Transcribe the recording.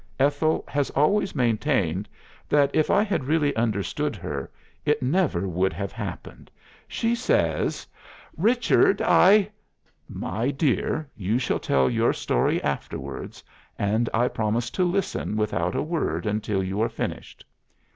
"Ethel has always maintained that if I had really understood her, it never would have happened. She says " "Richard, I" "My dear, you shall tell your story afterwards, and I promise to listen without a word until you are finished.